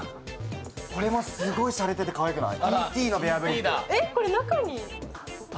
これもすっごいしゃれてて、かわいくない？